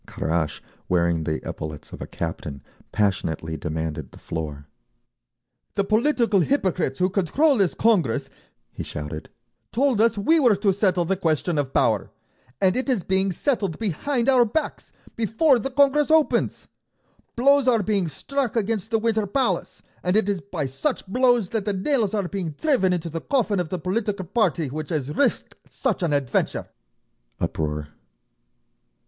Kharash, wearing the epaulets of a captain, passionately demanded the floor. "The political hypocrites who control this Congress," he shouted, "told us we were to settle the question of Power—and it is being settled behind our backs, before the Congress opens! Blows are being struck against the Winter Palace, and it is by such blows that the nails are being driven into the coffin of the political party which has risked such an adventure!" Uproar.